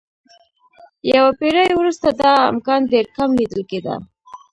یوه پېړۍ وروسته دا امکان ډېر کم لیدل کېده.